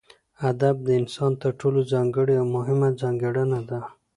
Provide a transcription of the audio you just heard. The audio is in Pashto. ادب دانسان تر ټولو ځانګړې او مهمه ځانګړنه ده